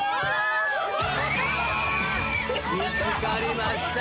見つかりました。